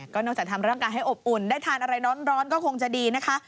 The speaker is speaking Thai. ก็นอกจากทำร่างกายให้อบอุ่นได้ทานอะไรร้อนก็คงจะดีนะคะ